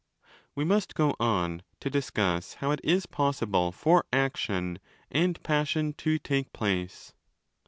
We must go on? to discuss how it is possible for 8 action and passion to take place.